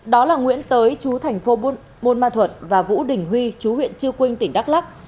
đó là nguyễn tới chú thành phố buôn ma thuật và vũ đình huy chú huyện chư quynh tỉnh đắk lắc